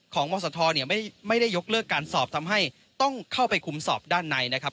มศทไม่ได้ยกเลิกการสอบทำให้ต้องเข้าไปคุมสอบด้านในนะครับ